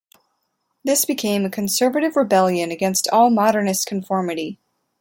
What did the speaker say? This became a conservative rebellion against all modernist conformity.